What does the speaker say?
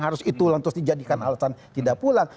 harus itu ulang terus dijadikan alasan tidak pulang